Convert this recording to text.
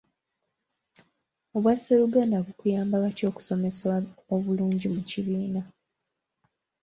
Obwasseruganda bukuyamba butya okusomesa obulungi mu kibiina ?